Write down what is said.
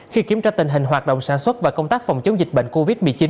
khi kiểm tra tình hình hoạt động sản xuất và công tác phòng chống dịch bệnh covid một mươi chín